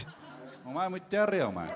お前も言ってやれよお前。